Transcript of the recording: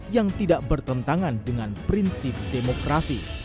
yang tidak bertentangan dengan prinsip demokrasi